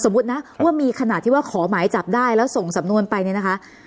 นะว่ามีขนาดที่ว่าขอหมายจับได้แล้วส่งสำนวนไปเนี่ยนะคะ